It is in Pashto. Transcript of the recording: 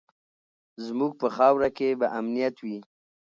زموږ په خاوره کې به امنیت وي.